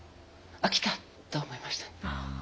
あっ来た！と思いました。